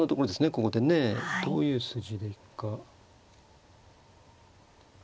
ここでねどういう筋で行くか。